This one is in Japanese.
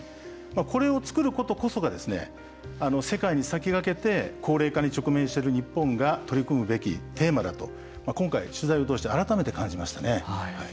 これを作ることこそが世界に先駆けて高齢化に直面している日本が取り組むべきテーマだと今回取材を通して改めて感じましたね。